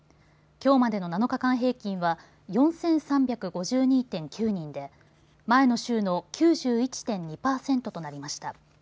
きょうまでの７日間平均は４３５２．９人で前の週の９１．２％となりました。